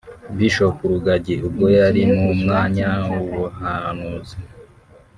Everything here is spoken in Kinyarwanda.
Bishop Rugagi ubwo yari mu mwanya w’ubuhanuzi